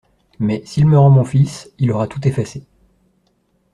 Mais, s'il me rend mon fils, il aura tout effacé.